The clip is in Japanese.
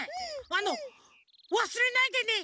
あの「わすれないでね。